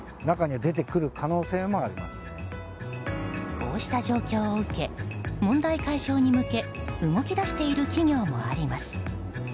こうした状況を受け問題解消に向け動き出している企業もあります。